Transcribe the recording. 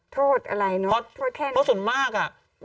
โทษอะไรเนอะโทษแค่นี้เพราะส่วนมากอ่ะ